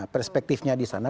perspektifnya di sana